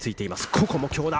ここも強打。